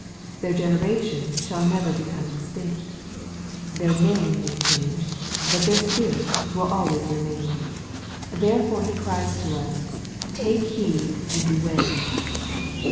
Their generation shall never become extinct. Their name may change, but their spirit will always remain. Therefore He cries to us, " take heed and beware.''